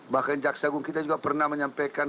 bahkan jaksagung kita juga pernah menyampaikan